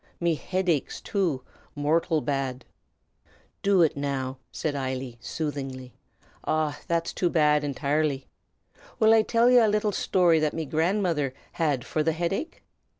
Me hid aches, too, mortial bad!" "Do it, now?" said Eily, soothingly. "Arrah, it's too bad, intirely! Will I till ye a little shtory that me grandmother hed for the hidache?"